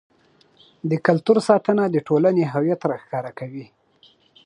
د کلتور ساتنه د ټولنې هویت راښکاره کوي.